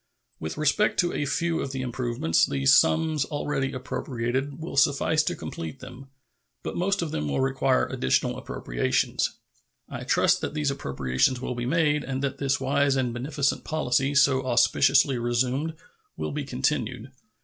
With respect to a few of the improvements, the sums already appropriated will suffice to complete them; but most of them will require additional appropriations. I trust that these appropriations will be made, and that this wise and beneficent policy, so auspiciously resumed, will be continued.